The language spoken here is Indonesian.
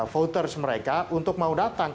voters mereka untuk mau datang